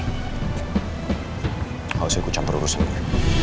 lo harus ikut campur urus sendiri